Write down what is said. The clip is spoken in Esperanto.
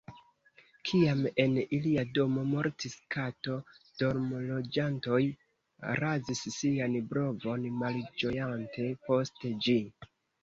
Kiam en ilia domo mortis kato, domloĝantoj razis sian brovon malĝojante post ĝi.